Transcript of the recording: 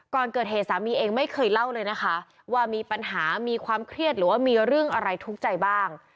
ก่อนเกิดเหตุสามีเองไม่เคยเล่าเลยนะคะว่ามีปัญหามีความเครียดหรือว่ามีเรื่องอะไรทุกข์ใจบ้าง